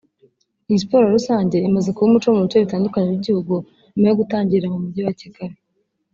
Iyi siporo rusange imaze kuba umuco mu bice bitandukanye by’igihugu nyuma yo gutangirira mu mujyi wa Kigali